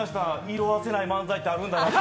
色あせない漫才ってあるんだなと。